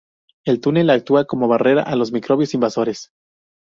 El túnel actúa como barrera a los microbios invasores.